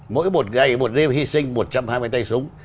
mỗi một ngày một đêm hy sinh một trăm hai mươi tay súng